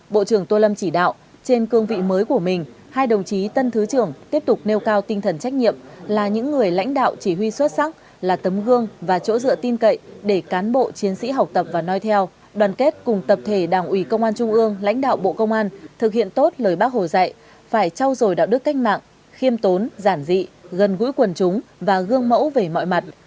bộ trưởng tô lâm chỉ đạo trên cương vị mới của mình hai đồng chí tân thứ trưởng tiếp tục nêu cao tinh thần trách nhiệm là những người lãnh đạo chỉ huy xuất sắc là tấm gương và chỗ dựa tin cậy để cán bộ chiến sĩ học tập và nói theo đoàn kết cùng tập thể đảng ủy công an trung ương lãnh đạo bộ công an thực hiện tốt lời bác hồ dạy phải trau dồi đạo đức cách mạng khiêm tốn giản dị gần gũi quần chúng và gương mẫu về mọi mặt